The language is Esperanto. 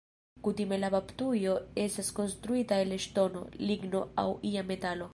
Kutime la baptujo estas konstruita el ŝtono, ligno aŭ ia metalo.